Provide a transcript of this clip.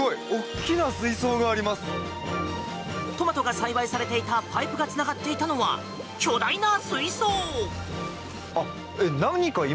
トマトが栽培されていたパイプがつながっていたのは巨大な水槽。